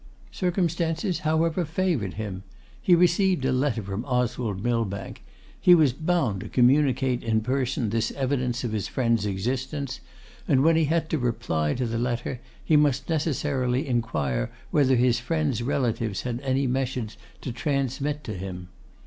Circumstances, however, favoured him: he received a letter from Oswald Millbank; he was bound to communicate in person this evidence of his friend's existence; and when he had to reply to the letter, he must necessarily inquire whether his friend's relatives had any message to transmit to him.